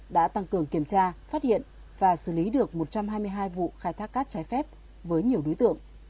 đã tăng cường kiểm tra phát hiện và xử lý được một trăm hai mươi hai vụ khai thác cát trái phép với nhiều đối tượng